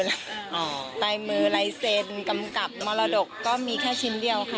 ลายมือลายเซ็นกำกับมรดกก็มีแค่ชิ้นเดียวค่ะ